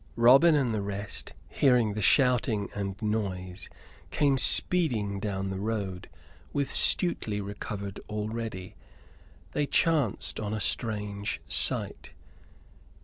Robin and the rest, hearing the shouting and noise, came speeding down the road, with Stuteley recovered already. They chanced on a strange sight.